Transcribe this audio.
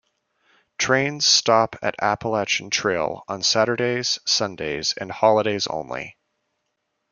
Trains stop at Appalachian Trail on Saturdays, Sundays, and holidays only.